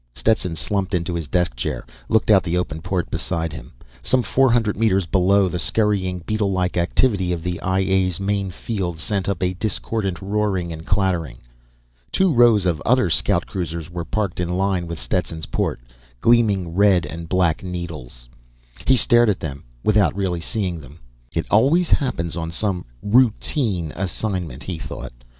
Stetson slumped into his desk chair, looked out the open port beside him. Some four hundred meters below, the scurrying beetlelike activity of the I A's main field sent up discordant roaring and clattering. Two rows of other scout cruisers were parked in line with Stetson's port gleaming red and black needles. He stared at them without really seeing them. It always happens on some "routine" assignment, he thought.